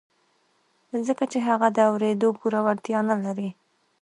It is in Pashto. ځکه چې هغه د اورېدو پوره وړتيا نه لري.